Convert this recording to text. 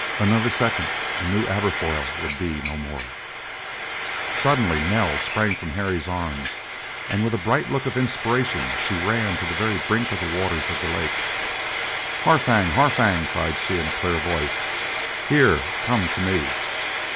Another second and New Aberfoyle would be no more. Suddenly Nell sprang from Harry's arms, and, with a bright look of inspiration, she ran to the very brink of the waters of the lake. "Harfang! Harfang!" cried she in a clear voice; "here! come to me!"